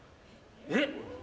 えっ！？